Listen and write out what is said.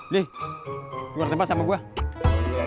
lih ke warna tempat sama gue